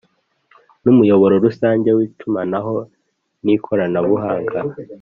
n umuyoboro rusange w itumanaho ni koranabuhanga